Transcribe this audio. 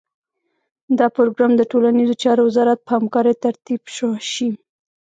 دا پروګرام د ټولنیزو چارو وزارت په همکارۍ ترتیب شي.